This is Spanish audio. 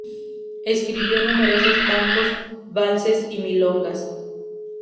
Escribió numerosos tangos, valses y milongas.